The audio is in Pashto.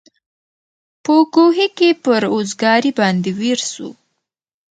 په کوهي کي پر اوزګړي باندي ویر سو